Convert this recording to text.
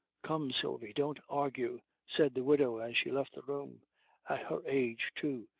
"Come, Sylvie, don't argue," said the widow, as she left the room. "At her age, too!"